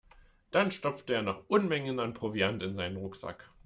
Dann stopfte er noch Unmengen an Proviant in seinen Rucksack.